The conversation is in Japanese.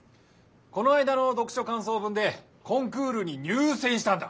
この間の読書かんそう文でコンクールに入せんしたんだ。